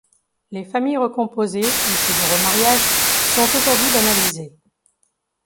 Les familles recomposées, issues de remariage, sont aujourd'hui banalisées.